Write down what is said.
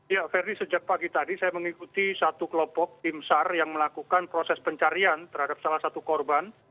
ya ferdi sejak pagi tadi saya mengikuti satu kelompok tim sar yang melakukan proses pencarian terhadap salah satu korban